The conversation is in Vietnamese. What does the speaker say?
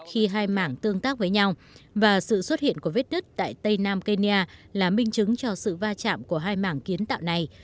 khi hai mảng tương tác với nhau và sự xuất hiện của vết đất tại tây nam kenya là minh chứng cho sự va chạm của hai mảng kiến tạo này